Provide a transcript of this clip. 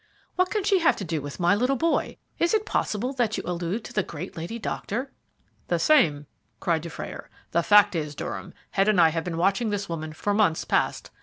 What can she have to do with my little boy? Is it possible that you allude to the great lady doctor?" "The same," cried Dufrayer. "The fact is Durham, Head and I have been watching this woman for months past.